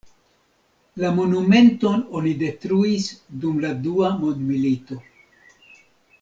La monumenton oni detruis dum la dua mondmilito.